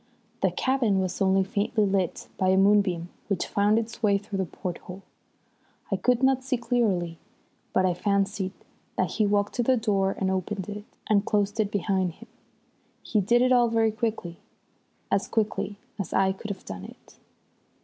The cabin was only faintly lit by a moonbeam which found its way through the porthole. I could not see clearly, but I fancied that he walked to the door and opened it, and closed it behind him. He did it all very quickly, as quickly as I could have done it.